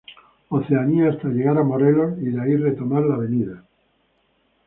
Oceanía hasta llegar a Morelos y de ahí retomar Av.